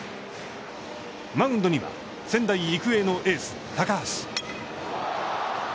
マウンドには仙台育英のエース高橋。